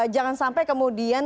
jangan sampai kemudian